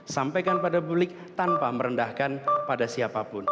sampaikan pada publik tanpa merendahkan pada siapapun